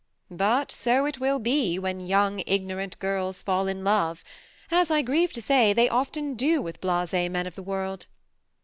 but so it will be, when young, ignorant girls fall in love as, I grieve to say, they often do ¥dth liases men of the world.